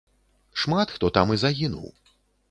Шмат хто там і загінуў.